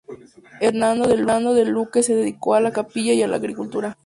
Hernando de Luque se dedicó a la capilla y a la agricultura.